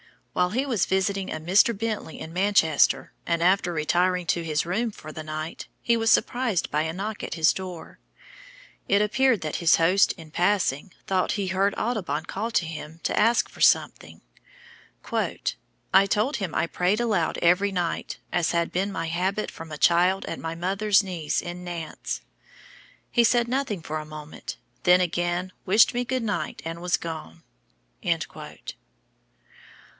While he was visiting a Mr. Bently in Manchester, and after retiring to his room for the night, he was surprised by a knock at his door. It appeared that his host in passing thought he heard Audubon call to him to ask for something: "I told him I prayed aloud every night, as had been my habit from a child at my mother's knees in Nantes. He said nothing for a moment, then again wished me good night and was gone."